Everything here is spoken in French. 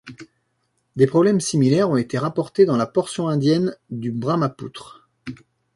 Des problèmes similaires ont été rapportés dans la portion indienne du Brahmapoutre.